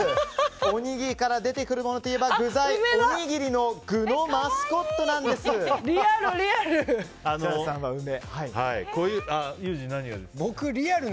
おにぎりから出てくるものといえば具材、おにぎりの具のリアル、リアル！